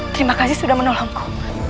terima kasih sudah menolongku